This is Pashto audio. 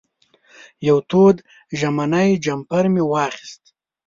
یو تود ژمنی جمپر مې واخېست.